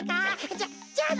じゃじゃあな。